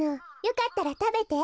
よかったらたべて。